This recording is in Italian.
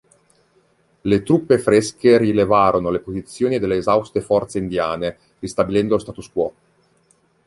Le truppe fresche rilevarono le posizioni delle esauste forze indiane, ristabilendo lo status quo.